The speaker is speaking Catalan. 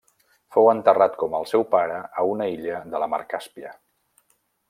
Fou enterrat com el seu pare a una illa de la mar Càspia.